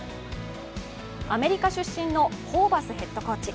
アメリカ出身のホーバスヘッドコーチ。